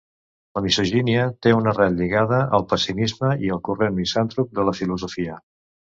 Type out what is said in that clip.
La misogínia té una arrel lligada al pessimisme i al corrent misantrop de la filosofia.